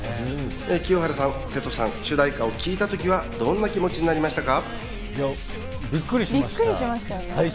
清原さん、瀬戸さん、主題歌を聴いたときは、どんな気持ちになりましたか？